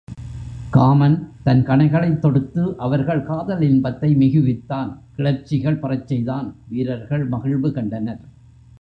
Common தன் கணைகளைத் தொடுத்து அவர்கள் காதல் இன்பத்தை மிகுவித்தான் கிளர்ச்சிகள் பெறச் செய்தான் வீரர்கள் மகிழ்வு கண்டனர்.